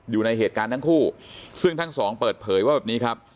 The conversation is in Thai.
อยู่ในเหตุการณ์ทั้งคู่ซึ่งทั้งสองเปิดเผยว่าแบบนี้ครับ